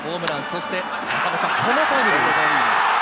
そして、このタイムリー。